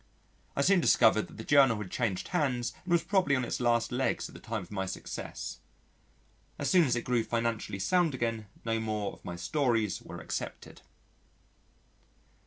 I soon discovered that the journal had changed hands and was probably on its last legs at the time of my success. As soon as it grew financially sound again no more of my stories were accepted.